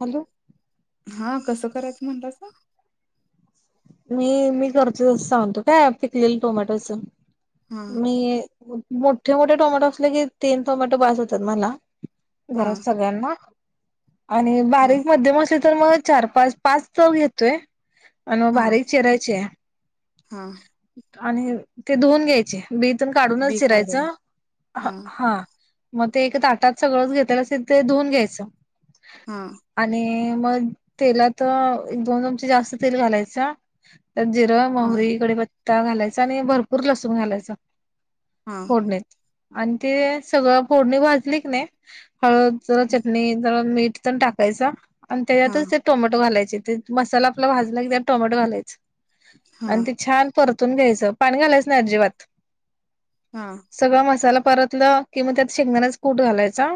Hello, हा, कसं करायचं म्हणलासा? मी मी करतो तस सांगतो काय पिकलेलं टोमॅटोच. हा मी मोठे मोठे टोमॅटो असले की, तीन टोमॅटो बास होतात मला हा घरात सगळ्यांना. आणि हा बारीक मध्यम असेल तर मग चार पाच पाच तर घेतोय. आणि मग हा बारीक चिरायचे. हा आणि ते धुऊन घ्यायचे. बी तेन काढूनच बी चिरायच. काढून हा. मग ते एक ताटात सगळंच घेतले असेल ते धुऊन घ्यायचं. हा. आणि मग तेलात दोन चमचे जास्त तेल घालायचं त्यात जिरं, हा मोहरी, कडिपत्ता त्यावर घालायचा आणि भरपूर लसूण घालायचा हा फोडणीत आणि ते सगळं फोडणी भाजली की नाही. हळद, जरा चटणी, जरा मीठ तेन टाकायचा आणि हा त्याच्यातच ते टोमॅटो घालायचे. ते मसाला आपला भाजला कनि त्यात टोमॅटो घालायच. हा आणि हा ते छान परतून घ्यायचं. पाणी घालायचं नाही अजिबात. हा. सगळा मसाला परतला कि मग त्यात शेंगदाण्याच कूट घालायचा.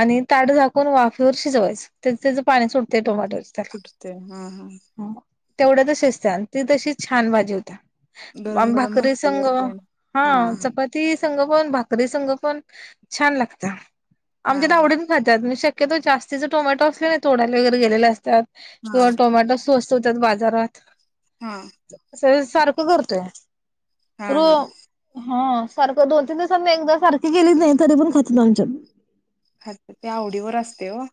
आणि ताट झाकून वाफेवर शिजवायचं त्या त्याचं पाणी सुटतंय टोमॅटोच त्याला सुटते ते हम् हम्म तेवढ्यातच शिजतंय अन् ती तशी छान भाजी होते गरम गरम भाकरी संग भाकरीवरती आणि हा चपा.. ती संग पण भाकरी संग पण छान लागतं हा आमच्या तर हा आवडी खात्यात शक्यतो जास्तीचे टोमॅटो असले ना तोडायले वगैरे गेले असतात किंवा हा टोमॅटो स्वस स्त ठेवतात बाजारात हा [unintelligible] सारखं करतोय हा हो हा हा सारखं दोन तीन दिवसांनी एकदा सारखी गेलीच नाही तरी पण खातात आमच्यात [unintelligible] ते आवडीवर असतंय ओ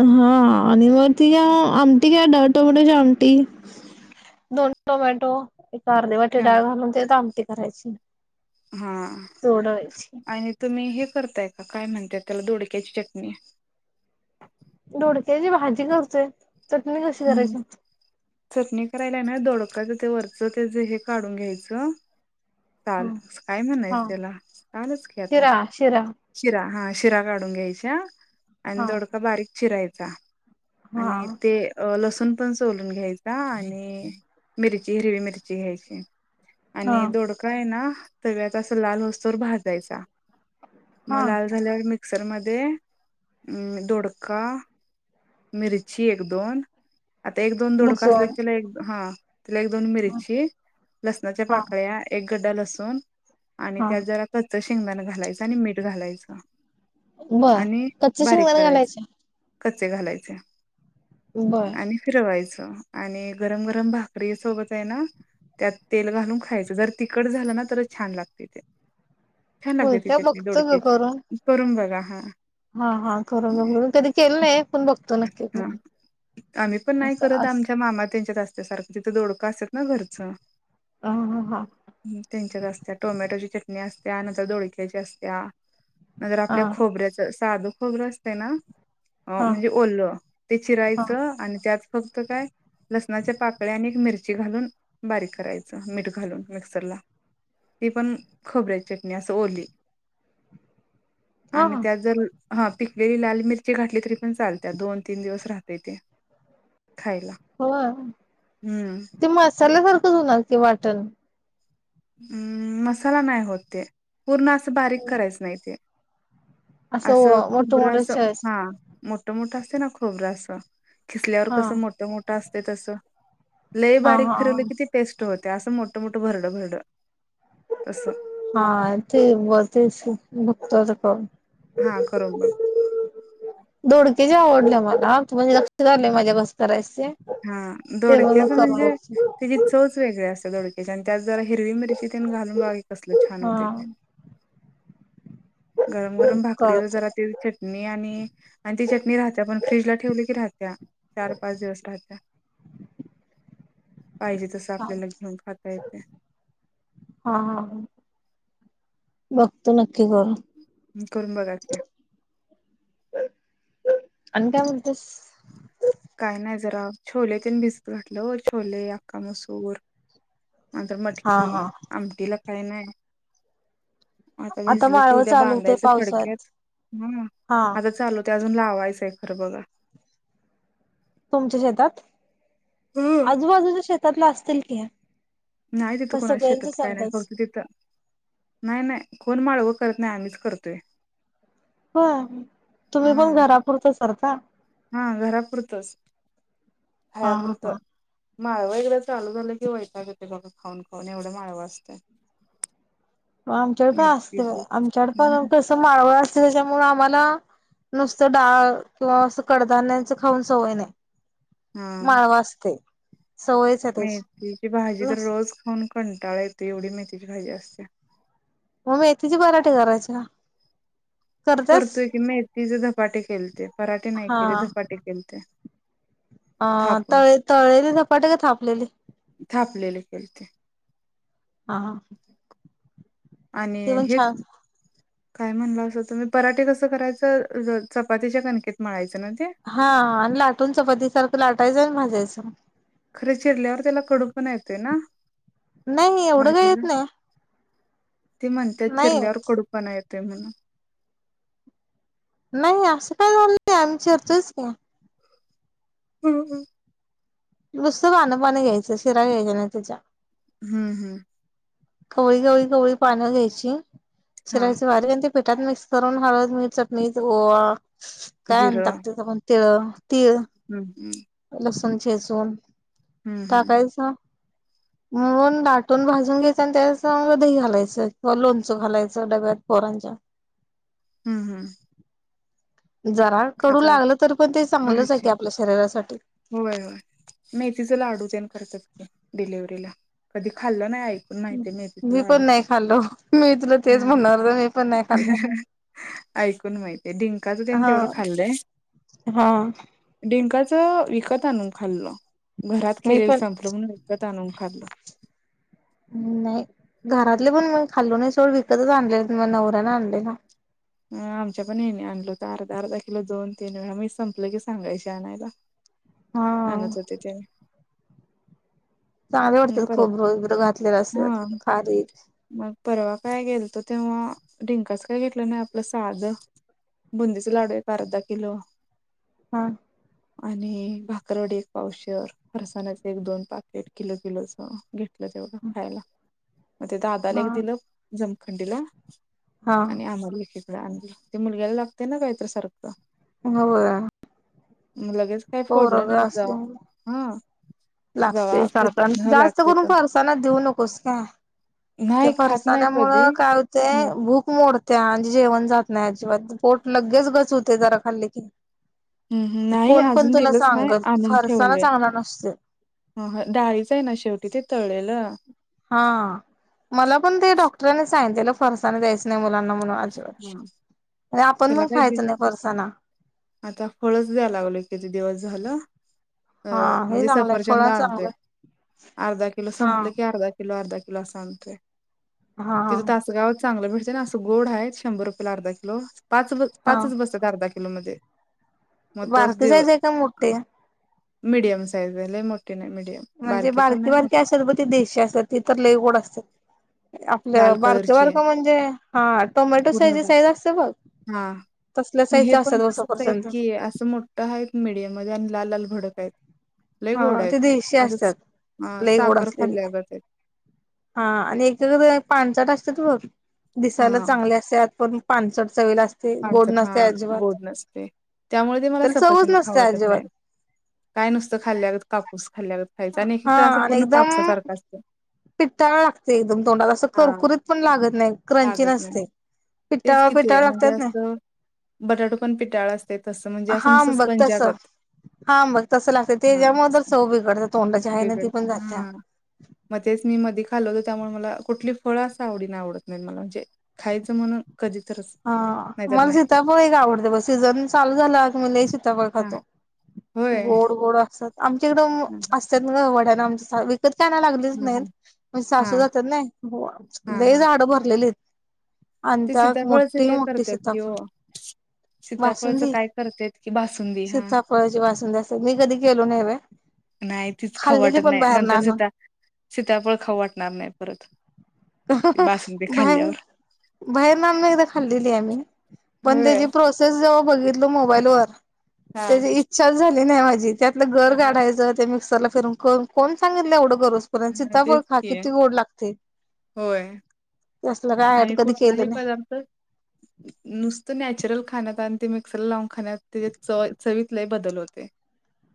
हा आणि मग ति आमटी घ्या टोमॅटोची आमटी दोन टोमॅटो एक अर्धे वाटे हा डाळ घालून त्यात आमटी करायची हा तोडायची आणि तुम्ही हे करताय का काय म्हणताय त्याला दोडक्याची चटणी दोडक्याची भाजी करतेय चटणी कशी हम्म करायची? चटणी करायला ना दोडक्याच ते वरचं ते जे हे काढून घ्यायचं हा साल काय म्हणायचं हा त्याला सालच की आता शिरा शिरा शिरा हा शिरा काढून घ्यायच्या आणि हा दोडका बारीक चिरायचा हा आणि ते अ लसूण पण सोलून घ्यायचा आणि मिरची हिरवी मिरची घ्यायची हा आणि दोडका आहे ना त्यात अस लाल होसतूर भाजायचा मग हा लाल झाल्यावर मिक्सर मध्ये दोडका मिरची एक दोन आता एक दोन दोडका असला क लसूण त्याला एक हा त्याला एक दोन मिरची लसणाच्या हा पाकळ्या एक गड्डा लसूण आणि हा त्यात जरा कच्च शेंगदाणा घालायचं आणि मीठ घालायचं बर आणि कच्चे बारीक शेंगदाणे करायचं घालायचे कच्चे घालायचे बर आणि फिरवायचं आणि गरम गरम भाकरी सोबतये ना त्यात तेल घालून खायचं जर तिकट झालं ना तरच छान लागती ते छान होय लागते ती का चटणी बघतो ग करून दडोडक्याची करून बघा हा हा हा करून बघून कधी केलं नही [unintelligible] ह [inaudible] आम्ही पण नाही असं करत अस आमच्या मामा त्यांच्यात असते सारखा तिथं दोडकां असत ना घरचं ह हां हां त्यांच्यात असत्या टोमॅटोची चटणी असत्या नंतर दोडक्याची असत्या नंतर हा आपल्या खोबऱ्याच साधं खोबरं असतं ना अ हा म्हणजे ओलं ते हा हा चीरायचं आणि त्यात फक्त काय लसणाच्या पाकळ्या आणि एक मिरची घालून बारीक करायचं मीठ घालून मिक्सरला ती पण खोबऱ्याची चटणी असं ओली आणि हा त्यात जर हा पिकलेली लाल मिरची घातली तरी पण चालत्या दोन तीन दिवस राहते ते खायला हो हम्म ते मसाल्यासारखंच होणार की वाटण हम् मसाला नाही होत ते पूर्ण असं बारीक करायचं नाही ते असं मोठ खोबरं मोठ अस चॉईस हा मोठं मोठं असतय ना खोबरं असं किसल्यावर हा कसं मोठ मोठं असतय तसं लई हा हा बारीक फिरवली कि ते पेस्ट होते. असं मोठ मोठं भरडं भरडं तसं. हा ते ब तेच बघतो करून. [unintelligible] हा करून बघ. दोडक्याची आवडल्या मला. म्हणजे लक्षात आलंय माझ्या. म्हणजे कस करायचे ते. हा तेव्हा मग दोडक्याच करू म्हणजे न त्याची चवच वेगळे असते दोक्याचे. आणि त्याच जरा हिरवी मिरची तेन घालून बाघा कसलं छान होते हा ते. गरम गरम भाकरीव कळत जरा ते चटणी आणि आणि ती चटणी राहते पण. फ्रीज ला ठेवले की राहते. चार पाच दिवस राहतेया. पाहिजे तस हा आपल्याला घेऊन खाता येते. हा हा. [inaudible] बघतो नक्की करून. करून बघा की. [unintelligible] आणि काय म्होलतस? काय नाही जरा छोले ते भिजत घातलं. छोले अक्का मसूर. [inaudible] नंतर हा मटकी. हा आमटीला काही नाही. आता भिजले की माळवं उद्या चालू होते बांधायच पावसात फडक्यात. ह हा आता चालू ते अजून लावायचंय खरं बघा. तुमच्या शेतात. [inaudible] आजूबाजूच्या शेतातल असतील की. नाय तिथं मग कोणा शेतात सगळ्यांच काय नाय. संघच फक्त तिथं नाय नाय कोण माळवं करत नाय. आम्हीच करतोय. होय [inaudible] तुम्ही पण हा घरापुरतं करता? हा घरापुरतंच. [inaudible] हा खायापुरतं. हा माळव एकदा चालू झालं की वैतागक येतो बघा खाऊन खाऊन. एवढं माळवं असतय. [unintelligible] मग आमच्याकडे पण असते बघा. आमच्याकड पण हम्म कसं माळवळ असते त्याच्यामु आम्हाला नुसतं डाळ. किंवा असं कडधान्याच खाऊन सवय नाही. हा माळव असतय. सवयच आहे मेथीची भाजी तर त्याची रोज खाऊन कंटाळा येते. एवढी मेथीची भाजी असते. म मेथेची पराठी करायचे ना. करतोय की. मेथीचे धपाटे केलते. पराटे नाही हा केले. धपाटे केलते. अ थापून तळे तळेले धपाटे का थापलेले? थापलेले केलते. हा ह. आणि हे काय म्हणलंसं तुम्ही? पराठे कसं करायचं. चपातीच्या कणकेत मळायचं ना ते? हा आणि लाटून चपाती सारखं लाटायचंन भाज्यायचं. खरं चिरल्यावर त्याला कडू पण येतोय ना? नाही एवढं काही भाजीला येत नाही. ते म्हणतात नाही चिरल्यावर येत कडूपणा येते म्हणून. नाही असं काय झालं नाही. आम्ही चीरतोच की. हम्म् [unintelligible] नुसतं पान पान घ्यायचं. शिरा घ्यायच्या नाही त्याच्या. हम्म हम्म. कवळी कवळी कवळी पानं घ्यायची [inaudible] हा चिरायचे बारीकन ते पिठात मिक्स करून. हळद, मीठ, चटणी ओवा. काय जिरं आणतात तीथ पण. तेळ तीळ. हम्म ह. लसूण ठेचून हम्म हम्म टाकायचा. [inaudible] म्हणून दाटून भाजून घ्यायचं आणि त्यासंग दही घालायचं किंवा लोणचं घालायचं डब्यात, पोरांच्या. हम् हम्. जरा कडू लागलं तर पण ते चांगलंच की, आपल्या शरीरासाठी. व्हय व्हय मेथीच लाडू तेन करत्यात, डिलिव्हीला कधी खाल्लं नाही आइ मी पण नाही खाल्लो, मी तुला तेच हम्म म्हणणार होते, मी पण नाही खाल्ल. ऐकून माहीतीये डिंकाच तेन हा तेवडं खाल्लं. हा डे, डिंकाच विकत आणून खाल्ल. घरात मी केलेलं पण संप्रमण वीकत आणून खाल्लं. मं नाही, घरातले पण म खाल्लो नही सोड, विकतच आणले म नवऱ्याने आणलेलं. अ आमच्या पण यांनी आणल होत, अर्धा अर्धा किलो दोन तीन वेळा, मी संपलं की सांगायची आणायला. हा आणत होते ते. चांगल वाटत्यात परवा खोबरं बिबर घातलेल्या असत्यात, हा खारीक मग परवा काय गेल तो तेव्हा, डिंकाच काय घेतलं नही, आपलं साध बुंदिच लाडूय अर्धा किलो. हां. आणि भाकररवडी एक पावशर, फरसानाच एक दोन पाकिट. किलो किलोचं घेतलं तेवढं खायला. मग ते दादाला हा एक दिलं, जमखंडीला. हां. [unintelligible] ती मुलगी [unintelligible] आणल त मुलगलागतेना कायत सारख. हो [unintelligible] लगेच काही फोडलं नाही जाऊन, हां. लागतय फरसाण, जास्त करून फारसाना देऊ नकोस. काय? ते नाही खात नाही फरसाण्यामुळ कधी काल ते. ह भूक मोडत्या आणि जेवण जात नाही अजिबात, पोट लगेच गच व्हते जरा खाल्ल की. नाही कोण पण अजून तुला दिलंच नाही सांगत, फरसानाचं आना नुसतं. हॊ हं डाळीच ये ना शेवटी, ते तळलेलं. हां मला पण ते डॉक्टरांनी सांगितलेलं, फरसाना द्यायचं नही मुलांना म्हणून आ हं. [unintelligible] नई आपण त्याला पण काय बी खायचं नही फरसाना. आता फळच द्याया लागलो, किती दिवस झालं. अ हा हे म्हणजे चांगलंय सफरचंद फळ आणतोय, चांगलंय अर्धा किलो हा संपलं की अर्धा किलो, अर्धा किलो असं आणणतोय, हा तिथं तासंगाव चांगलं भेटतेंय ना, असं गोड हाय. शंभर रुपयेला अर्धा किलो, हा पाच-पाचच बसतात अर्धा किलो मध्ये. मग बारक जायचंय का, मोठे? मिडीयम साईज ये, लई मोठे नही, मिडीयम. म्हणजे बारकी बारकी असेल ब ती देशी असतात, त लई गोड असत्यात. लाल आपलं बारके कलरची आहे बारक म्हणजे, हां टोमॅटो साईजी साईज असत बघ. हां तसल्या मग साईज हे पण असतात ब तसच आहेत सफरचंद की, असं मोठ आहेत मीडियम मध्ये आणि लाल-लाल भडक आहेत. लई हा गोड आहेत, ते देशी असतात असंचं साखर खाल्ल्या गत. हां आणि एक ते दोन पाणचंट असत्यात बघ दिसायला हा चांगले असत्यात पण पानचट चवेला अस पाणघप हां गोंड नसते त्यांमुळे ते मलां त्याला सरपंच चवच खाऊं नसते वाटतं अजिबात नाहीं कायं नुसतं खाल्ल्यानंतर कांपूस खाल्ल्यांगत खायचं आणि एक हा एक तरं असं पूर्ण कापसासारखं असतं पिट्टांना लागते एकदंम तोंडांला असं हा कर्कुरीत पणं लागतं नाहीं क्रंची लागत नाही नसते तेच पिटांवा किती पिटांवा आहे म्हणजे लागतांत नां बटाटो पणं पिटांळा असते तसं म्हणजे असं नुसतंच पंजागत हां मघं तसं लागतं ते त्यांच्यामुळे दर चं बिघडते तोंडाची आहे नां ती पणं जातं मंग तेचं मी मध्यें खाल्लं होतो त्यांमुळे मलां कुंठली फळं असं आवडीने आवडतं नाहीत मलां म्हणजे खायचं म्हणुंन कधीं तरचं हां मलां सीताफळ एक आवडते ब सीझन चालूं झालां म्हणे हा खांतो होय गोंड गोंड असतांत आमचे एकदंम ह असतांत नां गं वड्याने आम रस्त्यावर लागलेच नाहीत ह म्हणजे हा सासू जातांत नाहीं हा लंय हा झाडं भरलेली आहेतं आणि ते त्यां मोठं सीताफळाचं हे करतं की हो सीताफळाची कायं करतेेत कि बासुंदी हां फळांची बासुंदी असते ती कधीं केली नाहीय नाहीं तीचं खाऊं वाटतं नाहीं नंतर आणून सीता सीता फळं खाऊं वाटणारं नाहीं परंत बाहेर बाहेर नां एकदाचं खाल्लेली आहे आम्हीं पणं होय त्यांची प्र ते जेंव्हा बघितल मोबाईल वरं हा त्यांची इच्छांची झाली नाहीं माझी त्यांतलं गरं हा काढायचं त्यां मिक्सरला फिंरून करं कोणं सांगितलं एवढं गरजं कोणा सिताफळ खां किती गोंड लागते होयं तसलं कायंड कधीं केलं नाहीं पदार्थ नुसतं नॅचरल खाण्यांत आणि ते मिक्सरला लावूंन खाण्यांत त्यां ची चवीतलाही बंदल होते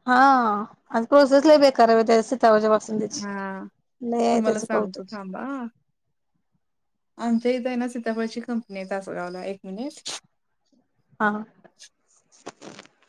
हां अं पोसेस लंय बेकार त्यांची वजं बासूंदीची त्यांची नाहीं त्यांचं कहतूं बां आमच्यां इथं आहे नां सीतापफळ कंपनी यं असं गांवला एक मिनिटं हां